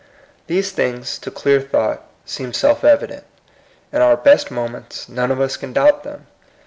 These things, to clear thought, seem self eyident. In our best moments none of us can doubt them.